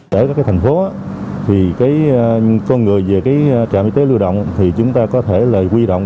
trong thành phố con người về trạm y tế lưu động